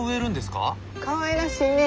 かわいらしいね。